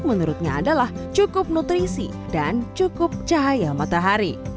menurutnya adalah cukup nutrisi dan cukup cahaya matahari